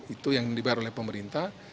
itu yang dibayar oleh pemerintah